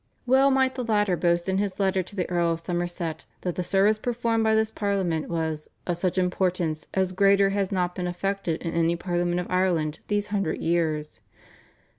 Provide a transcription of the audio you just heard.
Well might the latter boast in his letter to the Earl of Somerset that the service performed by this Parliament was "of such importance, as greater has not been effected in any Parliament of Ireland these hundred years.